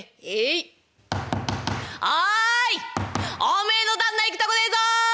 おめえの旦那行くとこねえぞ！